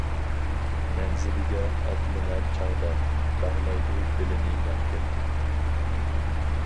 مەنزىلگە ئاتلىنار چاغدا، باغلايدۇ بېلىنى مەھكەم.